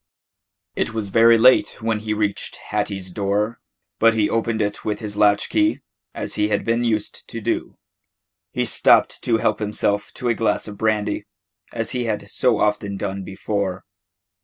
It was very late when he reached Hattie's door, but he opened it with his latch key, as he had been used to do. He stopped to help himself to a glass of brandy, as he had so often done before.